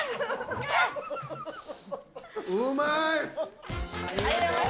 うまい！